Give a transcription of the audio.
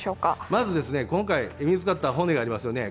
まず、今回見つかった骨がありますよね。